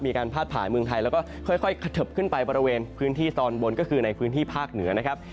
พาดผ่านเมืองไทยแล้วก็ค่อยกระเทิบขึ้นไปบริเวณพื้นที่ตอนบนก็คือในพื้นที่ภาคเหนือนะครับ